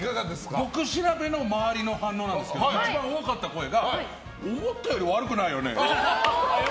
僕調べの周りの反応ですが一番多かった声が思ったより悪くないよね。